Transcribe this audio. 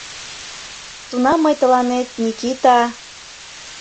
Тунам мый тыланет, Никита...